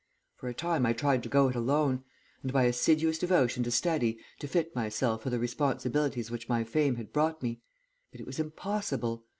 For a time I tried to go it alone, and by assiduous devotion to study to fit myself for the responsibilities which my fame had brought me, but it was impossible.